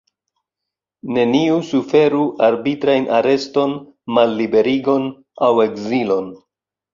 Neniu suferu arbitrajn areston, malliberigon aŭ ekzilon.